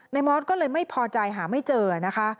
มอสก็เลยไม่พอใจหาไม่เจอนะคะ